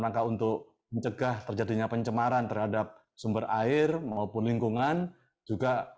rangka untuk mencegah terjadinya pencemaran terhadap sumber air maupun lingkungan juga